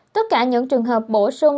tất cả những trường hợp bổ sung